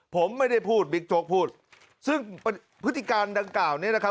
ผมไม่ได้พูดบิ๊กโจ๊กพูดซึ่งพฤติการดังกล่าวนี้นะครับ